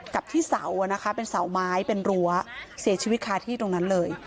กับที่เสาเป็นเสาไม้เป็นรั้วเสียชีวิตคาที่ตรงนั้นเลย